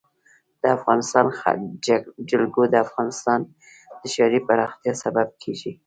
د افغانستان جلکو د افغانستان د ښاري پراختیا سبب کېږي.